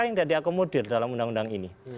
apa yang tidak diakomodir dalam undang undang ini